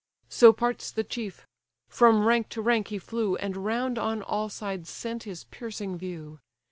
So parts the chief; from rank to rank he flew, And round on all sides sent his piercing view.